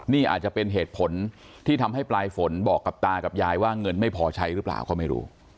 นี่อาจจะเป็นเหตุผลที่ทำให้ปลายฝนบอกกับตากับยายว่าเงินไม่พอใช้หรือเปล่าก็ไม่รู้